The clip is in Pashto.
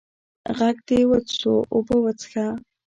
ږغ دي وچ سو، اوبه وڅيښه!